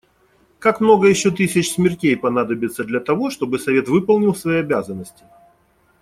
Как много еще тысяч смертей понадобится для того, чтобы Совет выполнил свои обязанности?